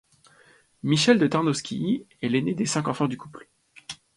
Michel de Tarnowsky est l'aîné des cinq enfants du couple.